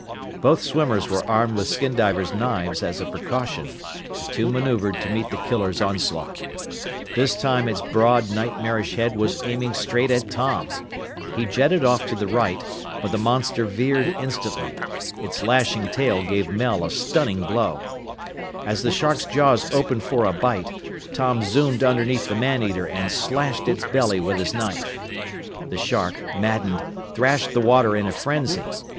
Both swimmers were armed with skin diver's knives as a precaution. The two maneuvered to meet the killer's onslaught. This time its broad nightmarish head was aiming straight at Tom. He jetted off to the right, but the monster veered instantly. Its lashing tail gave Mel a stunning blow. As the shark's jaws gaped for a bite, Tom zoomed underneath the man eater and slashed its belly with his knife. The shark, maddened, thrashed the water in a frenzy.